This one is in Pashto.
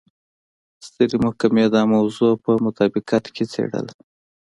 سترې محکمې دا موضوع په مطابقت کې څېړله.